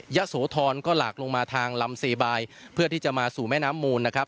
โสธรก็หลากลงมาทางลำเซบายเพื่อที่จะมาสู่แม่น้ำมูลนะครับ